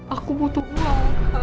aku butuh uang kak